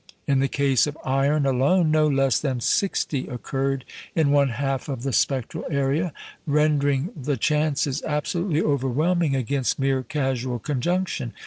In the case of iron alone, no less than sixty occurred in one half of the spectral area, rendering the chances absolutely overwhelming against mere casual conjunction.